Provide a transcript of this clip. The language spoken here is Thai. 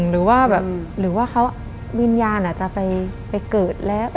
หรือว่าวิญญาณอาจจะไปเกิดแล้ว